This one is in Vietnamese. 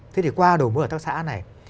thế thì qua đồ mối ở tác xã này